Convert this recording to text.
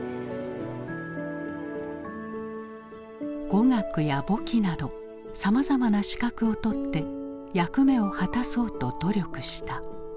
語学や簿記などさまざまな資格を取って役目を果たそうと努力した。